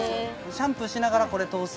シャンプーしながらです